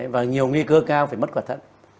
và nhiều nghi cơ cao phải mất quả thận